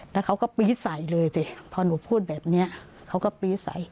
แล้วเขาก็ปี๊ดใส่เลยสิพอหนูพูดแบบนี้เขาก็ปี๊ดใส่